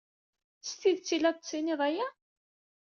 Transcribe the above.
S tidet ay la d-tettiniḍ aya?